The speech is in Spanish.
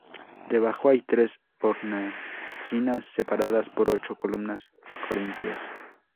Debajo hay tres hornacinas separadas por ocho columnas corintias.